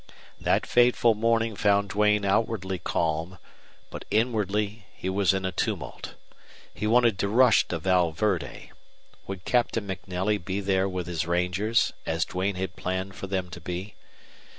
That fateful morning found Duane outwardly calm, but inwardly he was in a tumult. He wanted to rush to Val Verde. Would Captain MacNelly be there with his rangers, as Duane had planned for them to be?